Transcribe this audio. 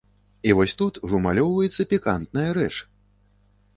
І вось тут вымалёўваецца пікантная рэч.